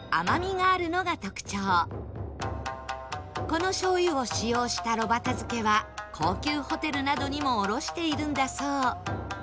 この醤油を使用したろばたづけは高級ホテルなどにも卸しているんだそう